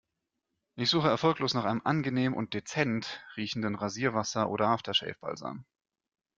Ich suche erfolglos nach einem angenehm und dezent riechenden Rasierwasser oder After-Shave-Balsam.